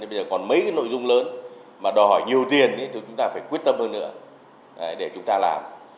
bây giờ còn mấy cái nội dung lớn mà đòi hỏi nhiều tiền thì chúng ta phải quyết tâm hơn nữa để chúng ta làm